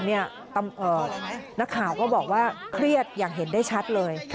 นักข่าวก็บอกว่าเครียดอย่างเห็นได้ชัดเลย